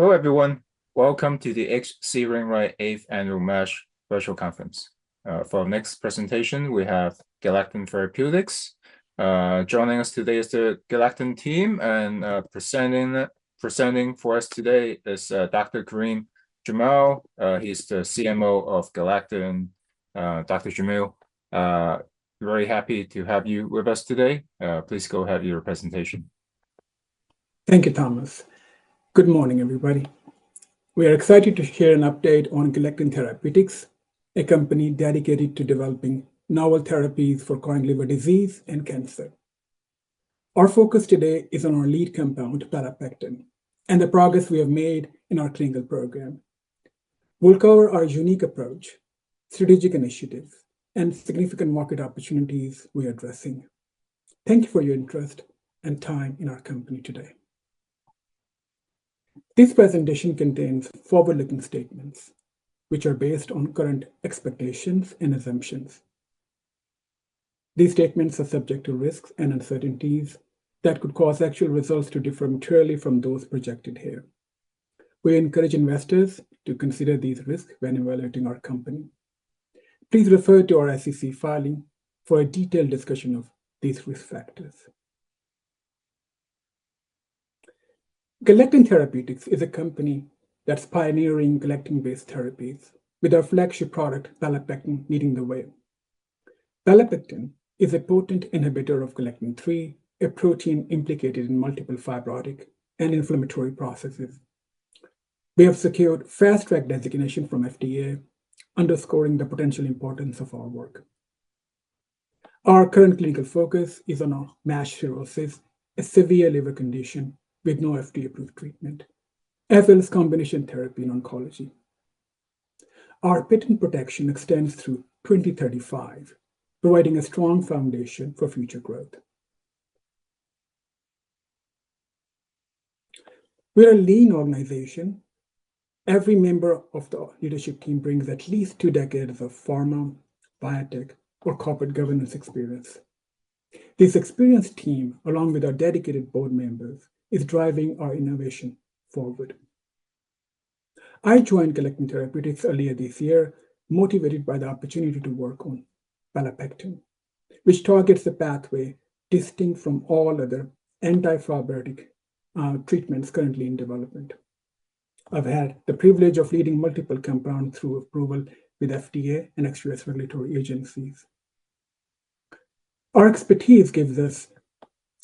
Hello, everyone. Welcome to the H.C. Wainwright Eighth Annual MASH Virtual Conference. For our next presentation, we have Galectin Therapeutics. Joining us today is the Galectin team, and presenting for us today is Dr. Khurram Jamil. He's the CMO of Galectin. Dr. Jamil, we're very happy to have you with us today. Please go ahead with your presentation. Thank you, Thomas. Good morning, everybody. We are excited to share an update on Galectin Therapeutics, a company dedicated to developing novel therapies for chronic liver disease and cancer. Our focus today is on our lead compound, belapectin, and the progress we have made in our clinical program. We'll cover our unique approach, strategic initiatives, and significant market opportunities we're addressing. Thank you for your interest and time in our company today. This presentation contains forward-looking statements, which are based on current expectations and assumptions. These statements are subject to risks and uncertainties that could cause actual results to differ materially from those projected here. We encourage investors to consider these risks when evaluating our company. Please refer to our SEC filing for a detailed discussion of these risk factors. Galectin Therapeutics is a company that's pioneering galectin-based therapies, with our flagship product, belapectin, leading the way. Belapectin is a potent inhibitor of galectin-3, a protein implicated in multiple fibrotic and inflammatory processes. We have secured fast-track designation from FDA, underscoring the potential importance of our work. Our current clinical focus is on MASH cirrhosis, a severe liver condition with no FDA-approved treatment, as well as combination therapy in oncology. Our patent protection extends through twenty thirty-five, providing a strong foundation for future growth. We're a lean organization. Every member of the leadership team brings at least two decades of pharma, biotech, or corporate governance experience. This experienced team, along with our dedicated board members, is driving our innovation forward. I joined Galectin Therapeutics earlier this year, motivated by the opportunity to work on belapectin, which targets a pathway distinct from all other anti-fibrotic treatments currently in development. I've had the privilege of leading multiple compounds through approval with FDA and ex-U.S. regulatory agencies. Our expertise gives us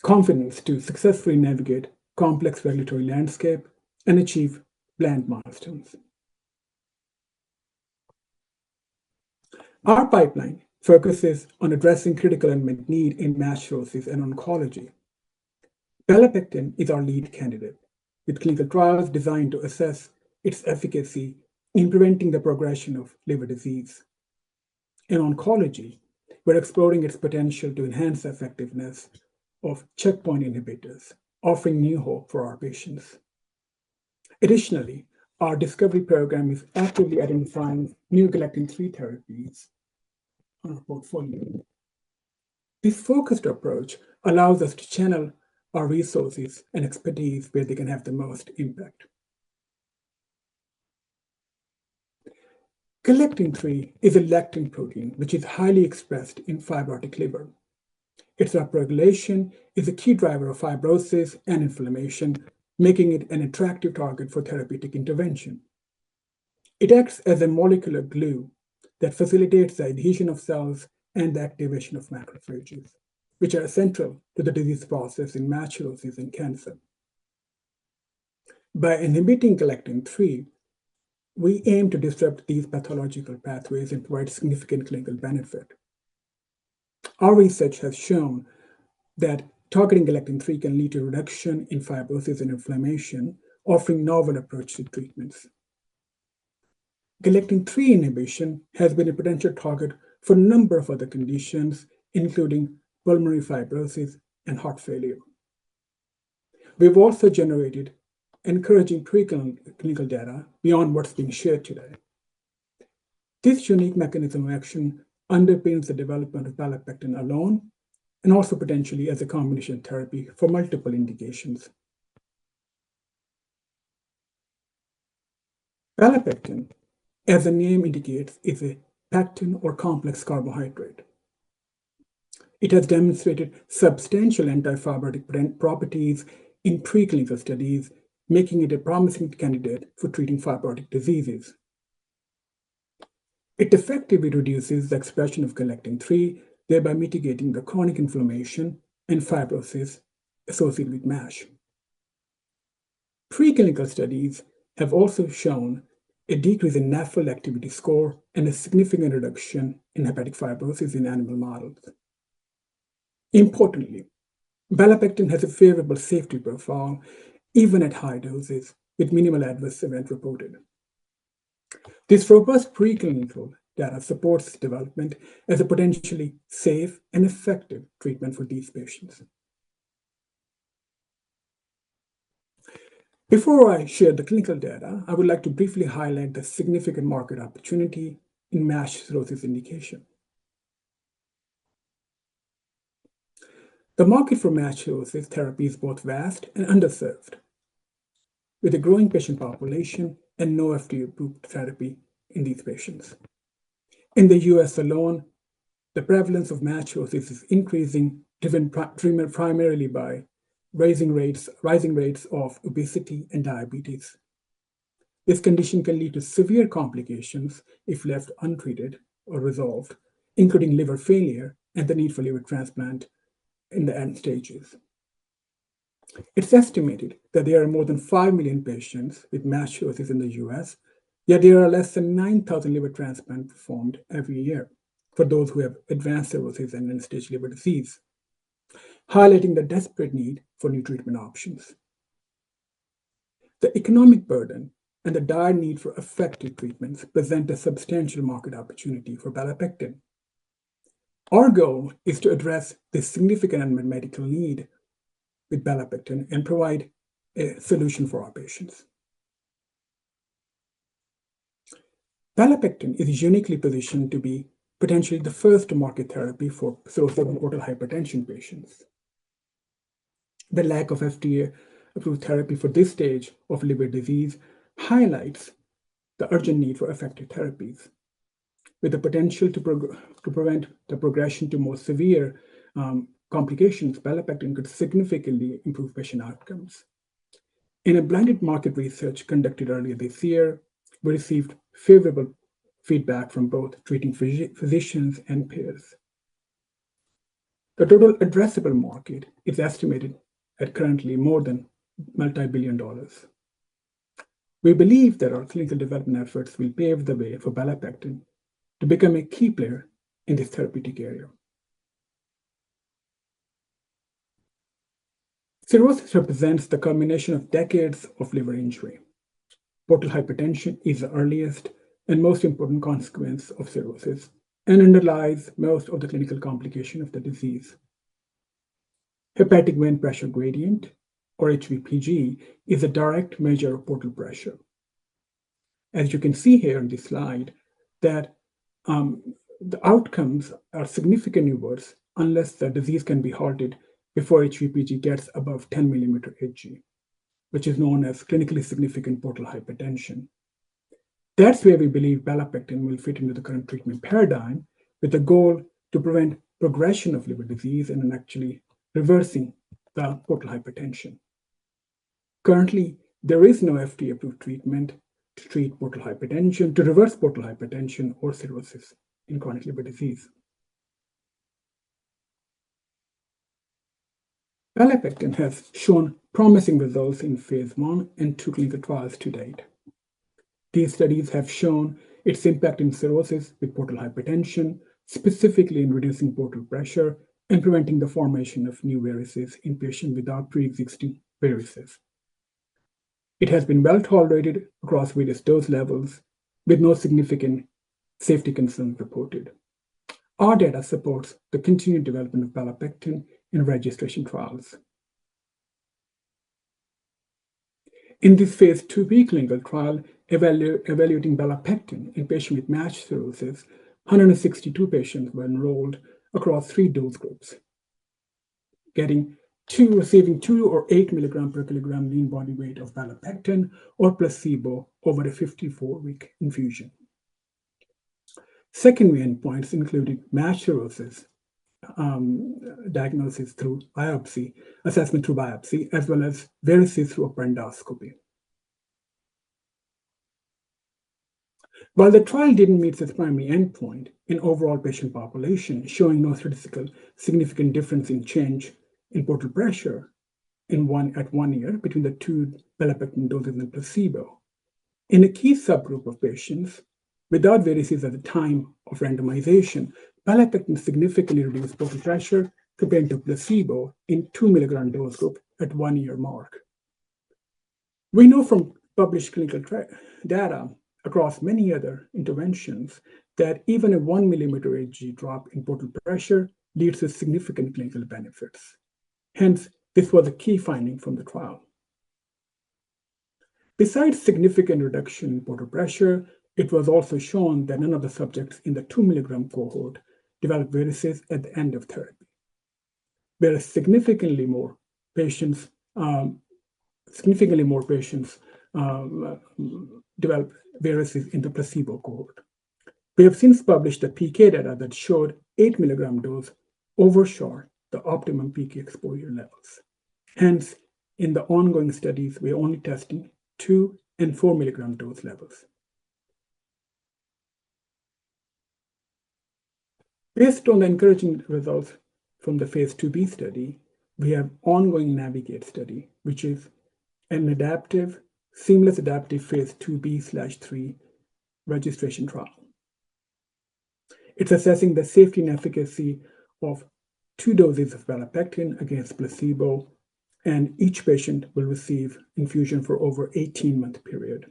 confidence to successfully navigate complex regulatory landscape and achieve planned milestones. Our pipeline focuses on addressing critical unmet need in MASH cirrhosis and oncology. Belapectin is our lead candidate, with clinical trials designed to assess its efficacy in preventing the progression of liver disease. In oncology, we're exploring its potential to enhance the effectiveness of checkpoint inhibitors, offering new hope for our patients. Additionally, our discovery program is actively identifying new galectin-3 therapies on our portfolio. This focused approach allows us to channel our resources and expertise where they can have the most impact. Galectin-3 is a lectin protein, which is highly expressed in fibrotic liver. Its upregulation is a key driver of fibrosis and inflammation, making it an attractive target for therapeutic intervention. It acts as a molecular glue that facilitates the adhesion of cells and the activation of macrophages, which are essential to the disease process in MASH cirrhosis and cancer. By inhibiting galectin-3, we aim to disrupt these pathological pathways and provide significant clinical benefit. Our research has shown that targeting galectin-3 can lead to a reduction in fibrosis and inflammation, offering novel approach to treatments. Galectin-3 inhibition has been a potential target for a number of other conditions, including pulmonary fibrosis and heart failure. We've also generated encouraging clinical data beyond what's being shared today. This unique mechanism of action underpins the development of belapectin alone, and also potentially as a combination therapy for multiple indications. Belapectin, as the name indicates, is a pectin or complex carbohydrate. It has demonstrated substantial anti-fibrotic preclinical properties in preclinical studies, making it a promising candidate for treating fibrotic diseases. It effectively reduces the expression of galectin-3, thereby mitigating the chronic inflammation and fibrosis associated with MASH. Preclinical studies have also shown a decrease in NAFLD activity score and a significant reduction in hepatic fibrosis in animal models. Importantly, belapectin has a favorable safety profile, even at high doses, with minimal adverse events reported. This robust preclinical data supports development as a potentially safe and effective treatment for these patients. Before I share the clinical data, I would like to briefly highlight the significant market opportunity in MASH cirrhosis indication. The market for MASH cirrhosis therapy is both vast and underserved, with a growing patient population and no FDA-approved therapy in these patients. In the U.S. alone, the prevalence of MASH cirrhosis is increasing, driven primarily by rising rates of obesity and diabetes. This condition can lead to severe complications if left untreated or resolved, including liver failure and the need for liver transplant in the end stages. It's estimated that there are more than five million patients with MASH cirrhosis in the U.S., yet there are less than nine thousand liver transplants performed every year for those who have advanced cirrhosis and end-stage liver disease, highlighting the desperate need for new treatment options. The economic burden and the dire need for effective treatments present a substantial market opportunity for belapectin. Our goal is to address this significant unmet medical need with belapectin and provide a solution for our patients. Belapectin is uniquely positioned to be potentially the first-to-market therapy for cirrhosis portal hypertension patients. The lack of FDA-approved therapy for this stage of liver disease highlights the urgent need for effective therapies. With the potential to prevent the progression to more severe complications, belapectin could significantly improve patient outcomes. In a blinded market research conducted earlier this year, we received favorable feedback from both treating physicians and peers. The total addressable market is estimated at currently more than multibillion dollars. We believe that our clinical development efforts will pave the way for belapectin to become a key player in this therapeutic area. Cirrhosis represents the combination of decades of liver injury. Portal hypertension is the earliest and most important consequence of cirrhosis and underlies most of the clinical complication of the disease. Hepatic venous pressure gradient, or HVPG, is a direct measure of portal pressure. As you can see here on this slide, that, the outcomes are significantly worse unless the disease can be halted before HVPG gets above 10 mmHg, which is known as clinically significant portal hypertension. That's where we believe belapectin will fit into the current treatment paradigm, with the goal to prevent progression of liver disease and in actually reversing the portal hypertension. Currently, there is no FDA-approved treatment to treat portal hypertension, to reverse portal hypertension or cirrhosis in chronic liver disease. Belapectin has shown promising results in phase I and II clinical trials to date. These studies have shown its impact in cirrhosis with portal hypertension, specifically in reducing portal pressure and preventing the formation of new varices in patients without pre-existing varices. It has been well tolerated across various dose levels, with no significant safety concerns reported. Our data supports the continued development of belapectin in registration trials. In this phase IIb clinical trial, evaluating belapectin in patients with MASH cirrhosis, 162 patients were enrolled across three dose groups, receiving 2 or 8 milligrams per kilogram lean body weight of belapectin or placebo over a 54-week infusion. Secondary endpoints included MASH cirrhosis diagnosis through biopsy, assessment through biopsy, as well as varices through endoscopy. While the trial didn't meet its primary endpoint in overall patient population, showing no statistically significant difference in change in portal pressure at one year between the two belapectin doses and placebo, in a key subgroup of patients without varices at the time of randomization, belapectin significantly reduced portal pressure compared to placebo in 2 milligram dose group at one-year mark. We know from published clinical trial data across many other interventions that even a one millimeter HG drop in portal pressure leads to significant clinical benefits. Hence, this was a key finding from the trial. Besides significant reduction in portal pressure, it was also shown that none of the subjects in the two-milligram cohort developed varices at the end of therapy. There are significantly more patients developed varices in the placebo cohort. We have since published the PK data that showed eight milligram dose overshot the optimum PK exposure levels. Hence, in the ongoing studies, we are only testing two and four milligram dose levels. Based on the encouraging results from the phase IIb study, we have ongoing NAVIGATE study, which is an adaptive, seamless phase IIb/III registration trial. It's assessing the safety and efficacy of two doses of belapectin against placebo, and each patient will receive infusion for over eighteen-month period.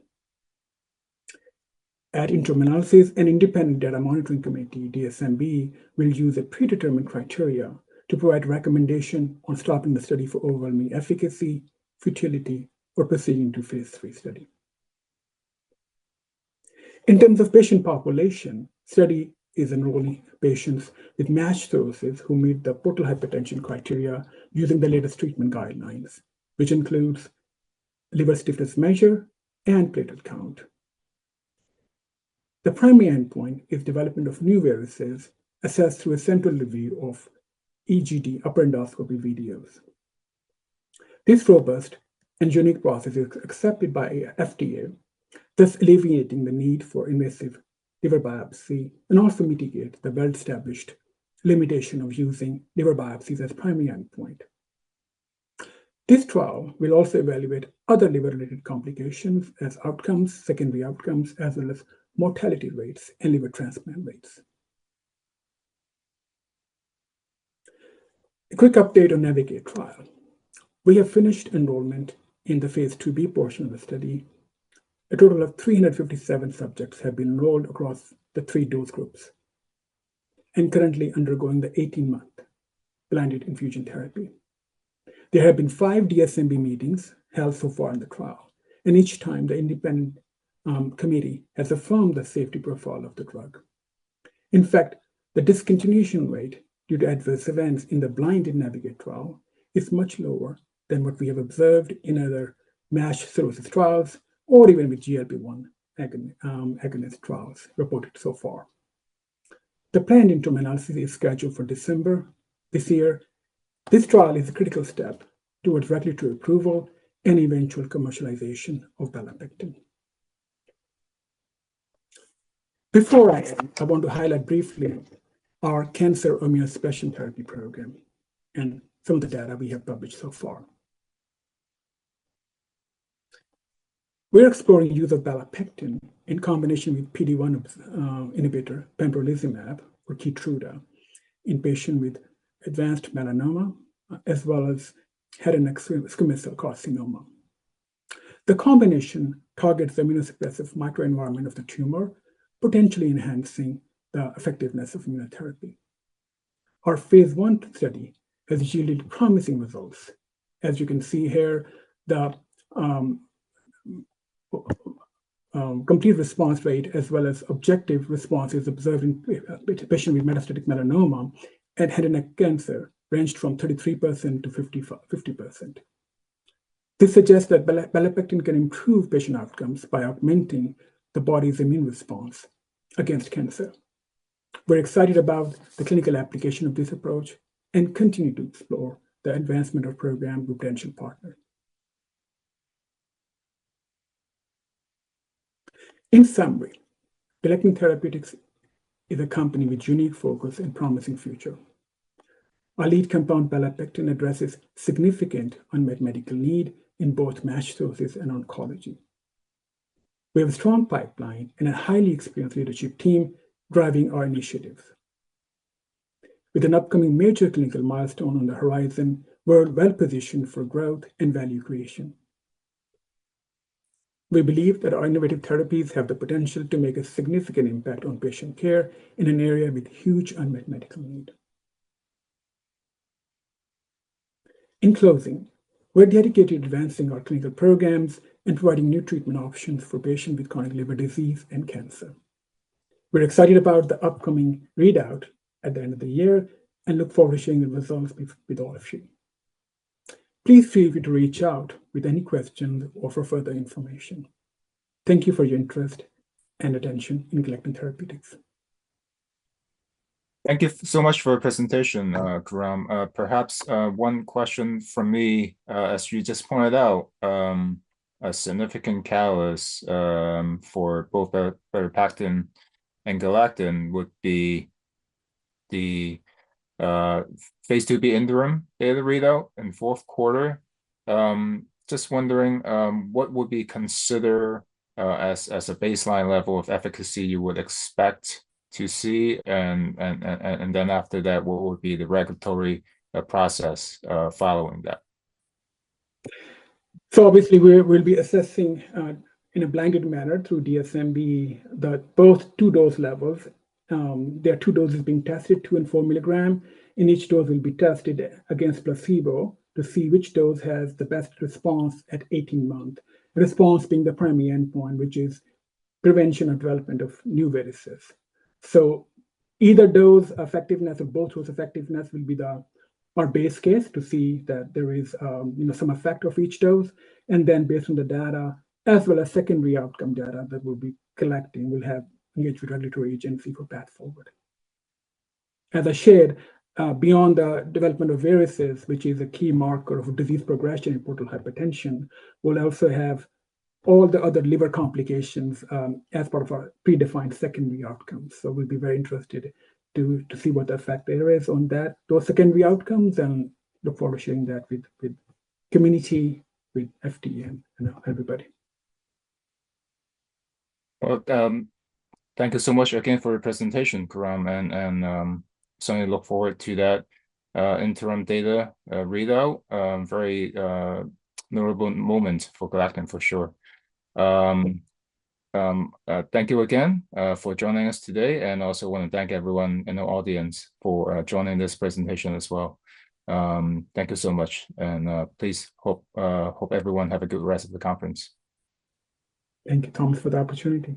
At interim analysis, an independent data monitoring committee, DSMB, will use a predetermined criteria to provide recommendation on stopping the study for overwhelming efficacy, futility, or proceeding to phase III study. In terms of patient population, study is enrolling patients with MASH cirrhosis who meet the portal hypertension criteria using the latest treatment guidelines, which includes liver stiffness measure and platelet count. The primary endpoint is development of new varices, assessed through a central review of EGD upper endoscopy videos. This robust and unique process is accepted by FDA, thus alleviating the need for invasive liver biopsy and also mitigate the well-established limitation of using liver biopsies as primary endpoint. This trial will also evaluate other liver-related complications as outcomes, secondary outcomes, as well as mortality rates and liver transplant rates. A quick update on NAVIGATE trial. We have finished enrollment in the phase 2b portion of the study. A total of three hundred and fifty-seven subjects have been enrolled across the three dose groups, and currently undergoing the eighteen-month blinded infusion therapy. There have been five DSMB meetings held so far in the trial, and each time, the independent committee has affirmed the safety profile of the drug. In fact, the discontinuation rate due to adverse events in the blinded NAVIGATE trial is much lower than what we have observed in other MASH cirrhosis trials or even with GLP-1 agonist trials reported so far. The planned interim analysis is scheduled for December this year. This trial is a critical step towards regulatory approval and eventual commercialization of belapectin. Before I end, I want to highlight briefly our cancer immuno specialty therapy program and some of the data we have published so far. We're exploring the use of belapectin in combination with PD-1 inhibitor pembrolizumab or Keytruda in patients with advanced melanoma, as well as head and neck squamous cell carcinoma. The combination targets the immunosuppressive microenvironment of the tumor, potentially enhancing the effectiveness of immunotherapy. Our phase 1 study has yielded promising results. As you can see here, the complete response rate, as well as objective responses observed in patients with metastatic melanoma and head and neck cancer, ranged from 33% to 50%. This suggests that belapectin can improve patient outcomes by augmenting the body's immune response against cancer. We're excited about the clinical application of this approach and continue to explore the advancement of program with potential partners. In summary, Galectin Therapeutics is a company with unique focus and promising future. Our lead compound, belapectin, addresses significant unmet medical need in both MASH cirrhosis and oncology. We have a strong pipeline and a highly experienced leadership team driving our initiatives. With an upcoming major clinical milestone on the horizon, we're well-positioned for growth and value creation. We believe that our innovative therapies have the potential to make a significant impact on patient care in an area with huge unmet medical need. In closing, we're dedicated to advancing our clinical programs and providing new treatment options for patients with chronic liver disease and cancer. We're excited about the upcoming readout at the end of the year and look forward to sharing the results with all of you. Please feel free to reach out with any questions or for further information. Thank you for your interest and attention in Galectin Therapeutics. Thank you so much for your presentation, Khurram. Perhaps one question from me, as you just pointed out, a significant catalyst for both, belapectin and Galectin would be the phase 2b interim data readout in fourth quarter. Just wondering, what would we consider as a baseline level of efficacy you would expect to see? And then after that, what would be the regulatory process following that? So obviously, we'll be assessing in a blanket manner through DSMB that both two dose levels. There are two doses being tested, two and four milligram, and each dose will be tested against placebo to see which dose has the best response at eighteen months. Response being the primary endpoint, which is prevention and development of new varices. So either dose effectiveness or both dose effectiveness will be the our base case to see that there is you know some effect of each dose, and then based on the data, as well as secondary outcome data that we'll be collecting, we'll have engagement with regulatory agency for path forward. As I shared, beyond the development of varices, which is a key marker of disease progression in portal hypertension, we'll also have all the other liver complications as part of our predefined secondary outcomes. We'll be very interested to see what the effect there is on that, those secondary outcomes, and look forward to sharing that with community, with FDA, and everybody. Thank you so much again for your presentation, Khurram, and certainly look forward to that interim data readout. Very memorable moment for Galectin, for sure. Thank you again for joining us today, and I also wanna thank everyone in the audience for joining this presentation as well. Thank you so much, and please hope everyone have a good rest of the conference. Thank you, Tommy, for the opportunity.